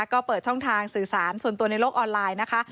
ก็เปิดช่องทางสื่อสารส่วนตัวในโลกออนไลน์นะคะ